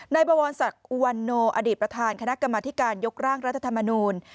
นายบวรสรักวันนว์อดีตประธานคณะกรรมอาธิการยกร่างรัฐธรรมนูล